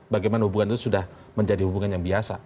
bagaimana hubungan itu sudah menjadi hubungan yang biasa